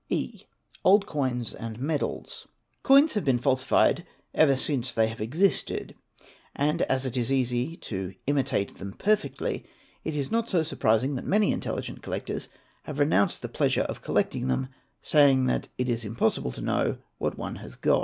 E. Old Coins and Medals. Coins have been falsified ever since they have existed, and as it is easy to imitate them perfectly it is not so surprising that many intelligent collectors have renounced the pleasure of collecting them, saying that it | is impossible to know what one has got.